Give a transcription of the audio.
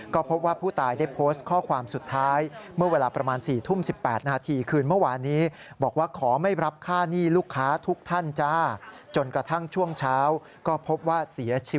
ก็พบว่าผู้ตายได้โพสต์ข้อความสุดท้าย